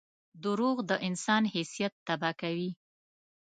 • دروغ د انسان حیثیت تباه کوي.